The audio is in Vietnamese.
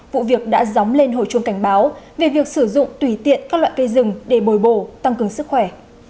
vụ việc đã dóng lên hồi chuông cảnh báo về việc sử dụng tùy tiện các loại cây rừng để bồi bồ tăng cường sức khỏe